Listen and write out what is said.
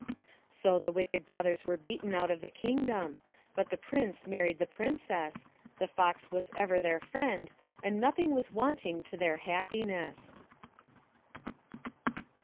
So the wicked brothers were beaten out of the Kingdom, but the Prince married the Princess, the Fox was ever their friend, and nothing was wanting to their happiness.